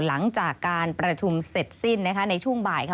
หลังจากการประชุมเสร็จสิ้นในช่วงบ่ายค่ะ